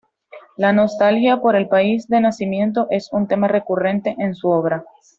La nostalgia por el país de nacimiento es un tema recurrente en su obra.